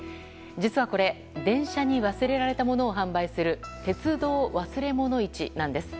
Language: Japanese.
実はこれ電車に忘れられたものを販売する鉄道忘れ物市なんです。